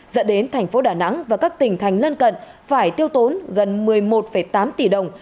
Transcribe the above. dẫn đến thành phố đà nẵng và các tỉnh thành lân cận phải tiêu tốn gần một mươi một tám tỷ đồng